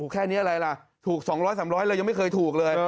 แค่นี้อะไรล่ะถูก๒๐๐๓๐๐เรายังไม่เคยถูกเลย